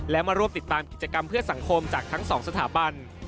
และมาร่วมติดตามกิจกรรมเพื่อสังคมจากทั้งสองสถาบัน